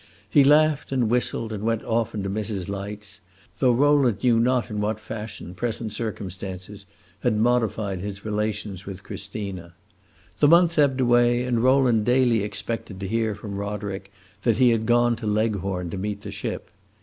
He laughed and whistled and went often to Mrs. Light's; though Rowland knew not in what fashion present circumstances had modified his relations with Christina. The month ebbed away and Rowland daily expected to hear from Roderick that he had gone to Leghorn to meet the ship.